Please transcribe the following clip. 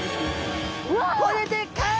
これでっかい！